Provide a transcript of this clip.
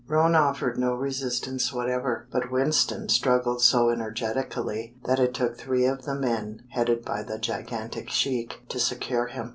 Roane offered no resistance whatever, but Winston struggled so energetically that it took three of the men, headed by the gigantic sheik, to secure him.